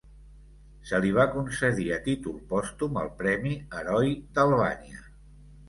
Se li va concedir a títol pòstum el premi "Heroi d'Albània".